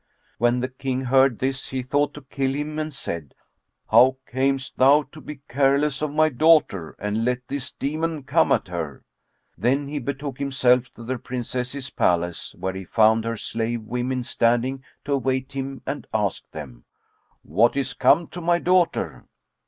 When the King heard this, he thought to kill him and said, "How camest thou to be careless of my daughter and let this demon come at her?" Then he betook himself to the Princess's palace, where he found her slave women standing to await him and asked them, "What is come to my daughter?"